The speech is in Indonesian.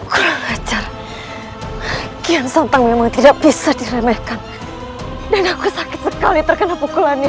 keren aja kian santan memang tidak bisa diremehkan dan aku sakit sekali terkena pukulannya